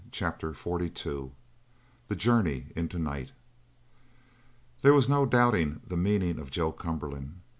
CHAPTER XLII THE JOURNEY INTO NIGHT There was no doubting the meaning of Joe Cumberland.